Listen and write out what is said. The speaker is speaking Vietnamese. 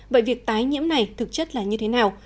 vậy việc tái nhiễm này thực chất là như thế nào